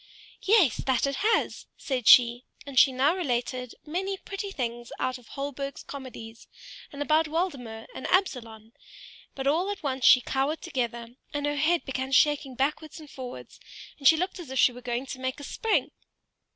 "Yes, that it has," said she; and she now related many pretty things out of Holberg's comedies, and about Waldemar and Absalon; but all at once she cowered together, and her head began shaking backwards and forwards, and she looked as she were going to make a spring.